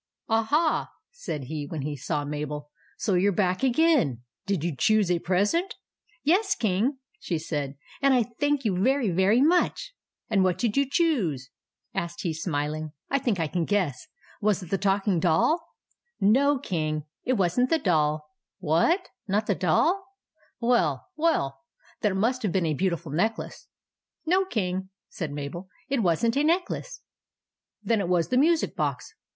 "Aha!" said he when he saw Mabel. " So you 're back again. Did you choose a present ?"" Yes, King," said she ;" and I thank you very, very much." " And what did you choose ?" asked he, smiling. " I think I can guess. Was it the Talking Doll?" " No, King," said Mabel ;" it was n't the Doll." "What? Not the Doll? Well, well! Then it must have been a beautiful neck lace." " No, King," said Mabel ;" it was n't a necklace." " Then it was the music box."